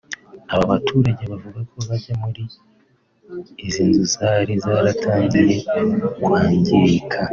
Aba baturage bavuga ko bajya muri izi nzu zari zaratangiye kwangirika